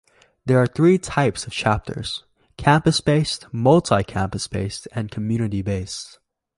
There are three types of chapters: campus-based, multi-campus based, and community based.